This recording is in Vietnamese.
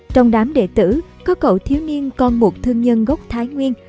trong đám đệ tử có cậu thiếu niên còn một thương nhân gốc thái nguyên